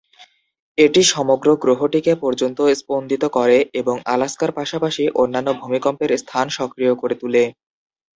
এটি সমগ্র গ্রহটি কে পর্যন্ত স্পন্দিত করে এবং আলাস্কার পাশাপাশি অন্যান্য ভূমিকম্পের স্থান সক্রিয় করে তুলে।